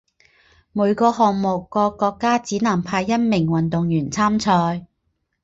每个项目各国家只能派一名运动员参赛。